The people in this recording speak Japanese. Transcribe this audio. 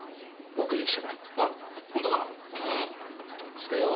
つうかよ